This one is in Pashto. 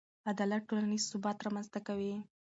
عدالت ټولنیز ثبات رامنځته کوي.